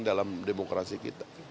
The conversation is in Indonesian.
dalam demokrasi kita